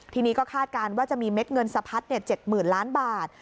ทีนี้ก็คาดการณ์ว่าจะมีเม็ดเงินสะพัด๗๐๐ล้านบาท